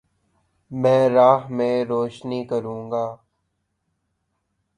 میں راہ میں روشنی کرونگا